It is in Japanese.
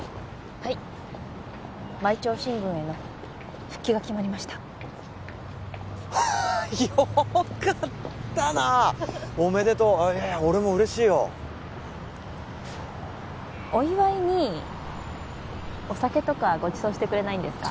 はい毎朝新聞への復帰が決まりましたはあっよかったなおめでとうえっ俺も嬉しいよお祝いにお酒とかごちそうしてくれないんですか？